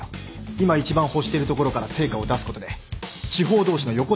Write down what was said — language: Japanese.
今一番欲している所から成果を出すことで地方同士の横展開がしやすい。